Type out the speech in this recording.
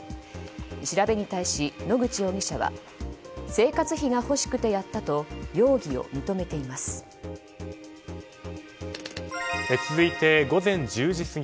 調べに対し、野口容疑者は生活費が欲しくてやったと容疑を認めています。